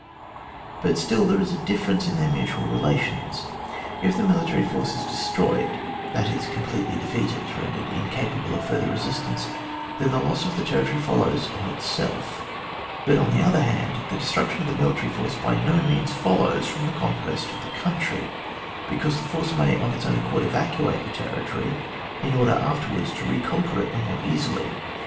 But still there is a differ ence in their mutual relations. If the military force is destroyed, that is com pletely defeated, rendered incapable of further resistance, then the loss of the territory follows of itself; but on the other hand, the destruction of the mili tary force by no means follows from the conquest of the country, because that force may of its own accord evacuate the territory, in order afterwards to recon quer it the more easily.